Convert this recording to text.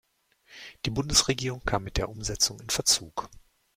Die Bundesregierung kam mit der Umsetzung in Verzug.